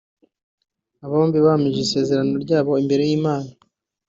Aba bombi bahamije isezerano ryabo imbere y’Imana